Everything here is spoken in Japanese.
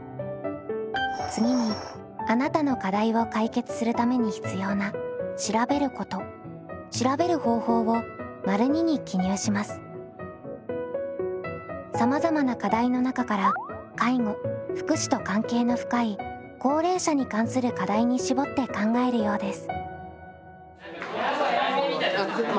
次にあなたの課題を解決するために必要なさまざまな課題の中から介護・福祉と関係の深い高齢者に関する課題に絞って考えるようです。